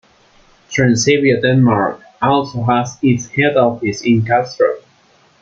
Transavia Denmark also has its head office in Kastrup.